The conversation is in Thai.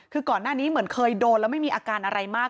คือก่อนหน้านี้เหมือนเคยโดนแล้วไม่มีอาการอะไรมาก